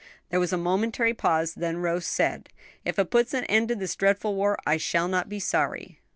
There was a momentary pause: then Rose said, "If it puts an end to this dreadful war, I shall not be sorry."